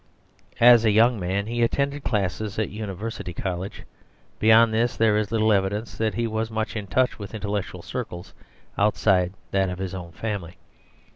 As a young man he attended classes at University College; beyond this there is little evidence that he was much in touch with intellectual circles outside that of his own family.